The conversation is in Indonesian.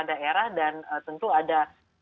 daerah dan tentu ada